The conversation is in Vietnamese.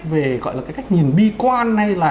về gọi là cái cách nhìn bi quan hay là